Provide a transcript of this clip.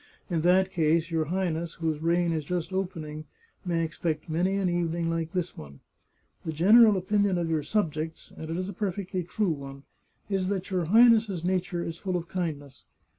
In that case your Highness, whose reign is just opening, may expect many an evening like this one. The general opinion of your sub jects, and it is a perfectly true one, is that your Highness's nature is full of kindness.